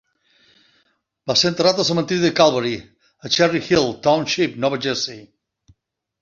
Va ser enterrat al cementiri de Calvary a Cherry Hill Township, Nova Jersey.